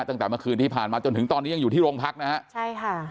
ตั้งแต่เมื่อคืนที่ผ่านมาจนถึงตอนนี้ยังอยู่ที่โรงพักนะฮะใช่ค่ะ